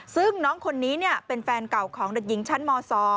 ซึ่งน้องคนนี้เป็นแฟนเก่าของเด็กหญิงชั้นม๒